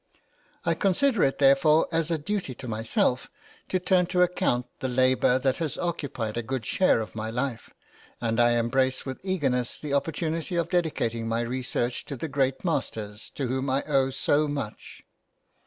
I considered it therefore as a duty to myself to turn to account the labour that had occupied a good share of my life, and I embraced with eagerness the opportunity of dedicating my researches to the great masters, to whom I owed so much.